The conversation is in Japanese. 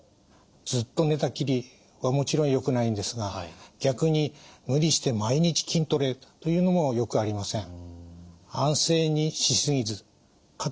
ずっと寝たきりはもちろんよくないんですが逆に無理して毎日筋トレというのもよくありません。